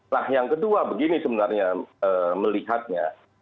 nah yang kedua begini sebenarnya melihatnya